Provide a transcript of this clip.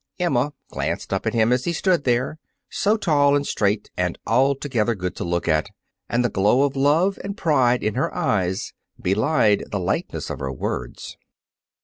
Emma glanced up at him as he stood there, so tall and straight and altogether good to look at, and the glow of love and pride in her eyes belied the lightness of her words.